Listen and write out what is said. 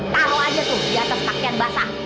taro aja tuh diatas pakaian basah